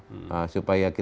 ini maunya apa bapak